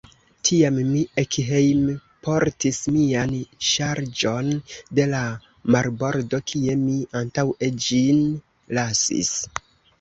Tiam mi ekhejmportis mian ŝarĝon de la marbordo, kie mi antaŭe ĝin lasis.